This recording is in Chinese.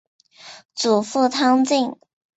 祖父汤敬。